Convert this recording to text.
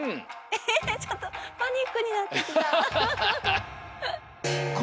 えっちょっとパニックになってきた。